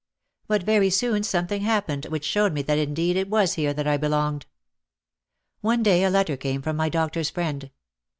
But very soon something hap pened which showed me that indeed it was here that I belonged. One day a letter came from my doctor's friend.